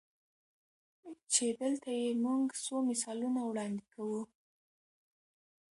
چې دلته ئې مونږ څو مثالونه وړاندې کوو-